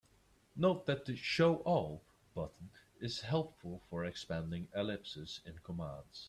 Note that the "Show all" button is helpful for expanding ellipses in commands.